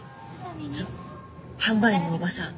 販売員のおばさん。